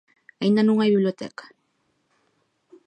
Aínda non hai biblioteca.